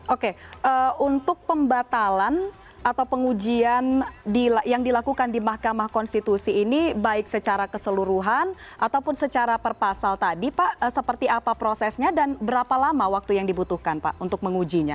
oke untuk pembatalan atau pengujian yang dilakukan di mahkamah konstitusi ini baik secara keseluruhan ataupun secara perpasal tadi pak seperti apa prosesnya dan berapa lama waktu yang dibutuhkan pak untuk mengujinya